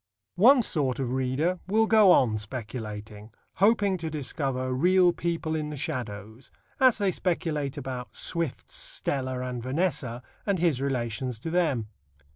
One sort of readers will go on speculating, hoping to discover real people in the shadows, as they speculate about Swift's Stella and Vanessa, and his relations to them.